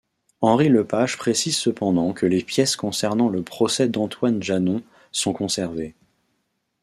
Henri Lepage précise cependant que les pièces concernant le procès d'Antoine Janon sont conservées.